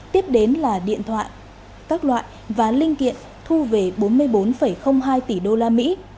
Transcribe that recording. tiếp đến là điện thoại các loại và linh kiện thu về bốn mươi bốn hai tỷ usd